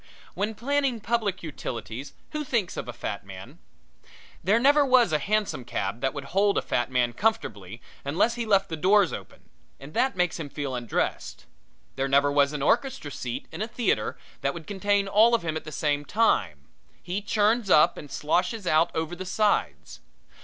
When planning public utilities, who thinks of a fat man? There never was a hansom cab made that would hold a fat man comfortably unless he left the doors open, and that makes him feel undressed. There never was an orchestra seat in a theater that would contain all of him at the same time he churns up and sloshes out over the sides.